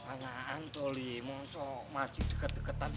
sanaan toh li wongso masih deket deketan